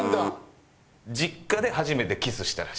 実家で初めてキスしたらしい。